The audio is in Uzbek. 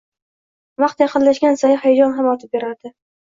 Vaqt yaqinlashgan sayin hayajon ham ortib borardi.